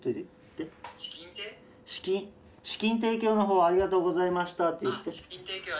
資金提供のほうありがとうございましたって言って。